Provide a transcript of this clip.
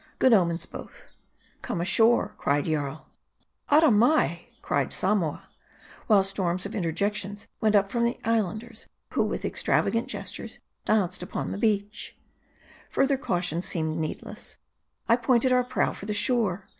Good omens both. "Come ashore!" cried Jarl. "Aramai!" cried Samoa; while storms of interjections went up from the Islanders, who with extravagant gestures danced about the beach. Further caution seemed needless : I pointed our, prow for the shore.